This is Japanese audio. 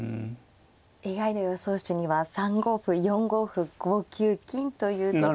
ＡＩの予想手には３五歩４五歩５九金という手が。